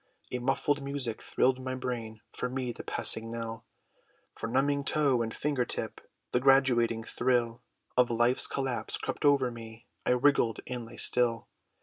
A muffled music thrilled my brain; For me, the passing knell, From numbing toe, and finger tip, The graduating thrill Of life's collapse, crept over me, I wriggled, and lay still!